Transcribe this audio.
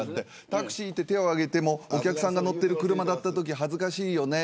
タクシーって手を上げてもお客さんが乗っている車だったとき恥ずかしいよね。